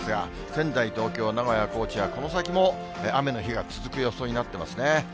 仙台、東京、名古屋、高知はこの先も雨の日が続く予想になってますね。